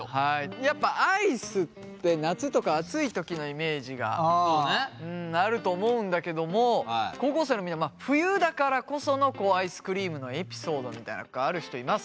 やっぱアイスって夏とか暑い時のイメージがあると思うんだけども高校生のみんな冬だからこそのアイスクリームのエピソードみたいなある人います？